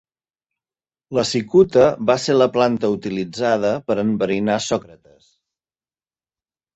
La cicuta va ser la planta utilitzada per enverinar Sòcrates.